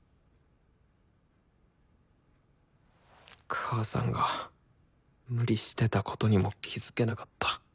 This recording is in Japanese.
母さんが無理してたことにも気付けなかった。